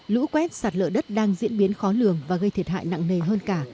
lũ quét sạt lở đất đang diễn biến khó lường và gây thiệt hại nặng nề hơn cả